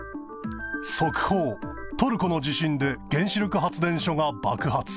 速報、取るこの地震で原子力発電所が爆発。